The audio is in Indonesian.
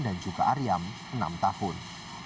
juga aryam enam tahun